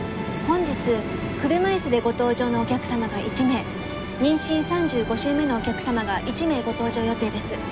本日車椅子でご搭乗のお客様が１名妊娠３５週目のお客様が１名ご搭乗予定です。